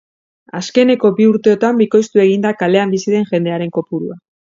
Azkeneko bi urteotan bikoiztu egin da kalean bizi den jendearen kopurua.